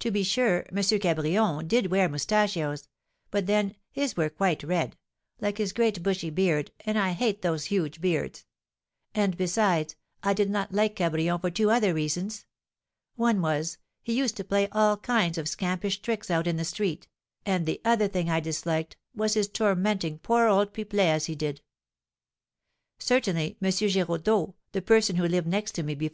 To be sure, M. Cabrion did wear moustachios, but then, his were quite red, like his great bushy beard, and I hate those huge beards; and besides, I did not like Cabrion for two other reasons; one was, he used to play all kinds of scampish tricks out in the street, and the other thing I disliked was his tormenting poor old Pipelet as he did. Certainly, M. Giraudeau, the person who lived next to me before M.